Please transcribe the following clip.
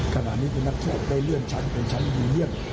ใครเลือกชั้นเป็นชั้นอีเลียน